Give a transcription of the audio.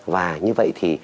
và như vậy thì